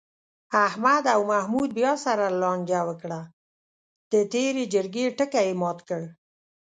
احمد او محمود بیا سره لانجه وکړه، د تېرې جرگې ټکی یې مات کړ.